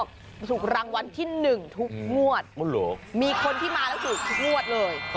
คุณนี่ห่วงตั้งต่อรถโอ้โฮ